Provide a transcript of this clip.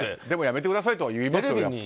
でもやめてくださいと言いますよ。